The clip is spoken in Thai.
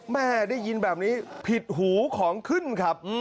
แม่ได้ยินแบบนี้ผิดหูของขึ้นครับ